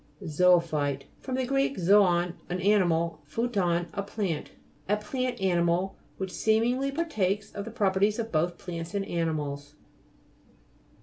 ZO'OPHTTE fr. gr. zoon, an animal, phuton, plant. A plant animal, which seemingly partakes of the pro perties of both plants and animals.